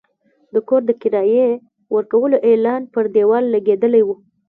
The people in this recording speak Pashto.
د کور د کرایې ورکولو اعلان پر دېوال لګېدلی و.